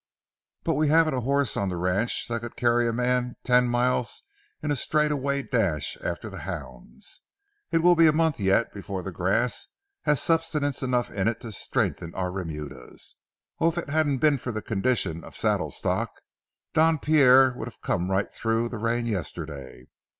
But we haven't a horse on the ranch that could carry a man ten miles in a straightaway dash after the hounds. It will be a month yet before the grass has substance enough in it to strengthen our remudas. Oh, if it hadn't been for the condition of saddle stock, Don Pierre would have come right through the rain yesterday.